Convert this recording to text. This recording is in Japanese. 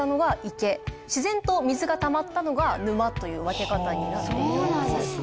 自然と水がたまったのが沼という分け方になっているんです。